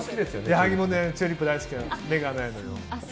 矢作もチューリップが大好き目がないのよ。